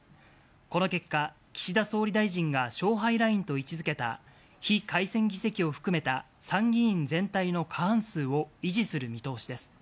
この結果、岸田総理大臣が勝敗ラインと位置づけた、非改選議席を含めた、参議院全体の過半数を維持する見通しです。